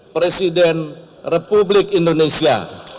presiden republik indonesia